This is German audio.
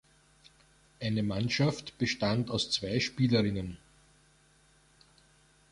Eine Mannschaft bestand aus zwei Spielerinnen.